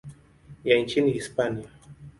ya nchini Hispania.